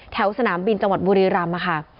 แถวสนามบินจังหวัดบุรีรัมพ์อะค่ะ